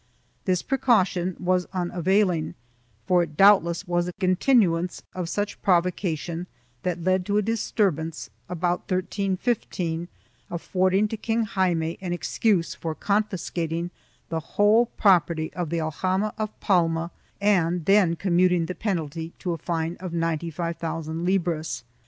This precaution was unavailing, for it doubtless was a continuance of such provocation that led to a disturbance, about 1315, afford ing to King Jaime an excuse for confiscating the whole property of the aljama of Palma and then commuting the penalty to a fine of 95,000 libras.